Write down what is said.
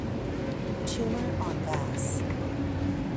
Tumor on bass.